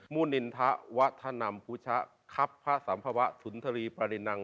นินทะวัฒนัมพุชะครับพระสัมภวะสุนทรีปรินัง